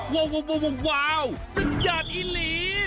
วาวสุดยอดอีหลี